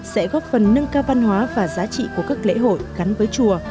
sẽ góp phần nâng cao văn hóa và giá trị của các lễ hội gắn với chùa